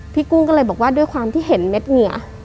กุ้งก็เลยบอกว่าด้วยความที่เห็นเม็ดเหงื่อ